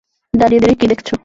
দাঁড়িয়ে দাঁড়িয়ে কী দেখছ?